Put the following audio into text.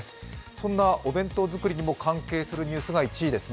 そんなお弁当作りにも関係するニュースが１位です。